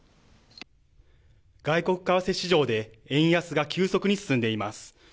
外国為替市場で円安が急速に進んでいます。